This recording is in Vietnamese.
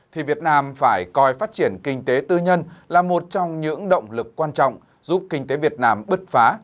thì việt nam phải coi phát triển kinh tế tư nhân là một trong những động lực quan trọng giúp kinh tế việt nam bứt phá